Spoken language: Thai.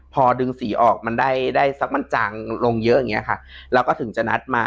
พอดึงสีออกมันได้ได้สักมันจางลงเยอะอย่างเงี้ยค่ะแล้วก็ถึงจะนัดมา